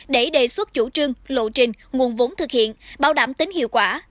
để đề xuất chủ trương lộ trình nguồn vốn thực hiện bảo đảm tính hiệu quả